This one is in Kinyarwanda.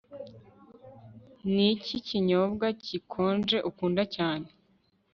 Niki kinyobwa gikonje ukunda cyane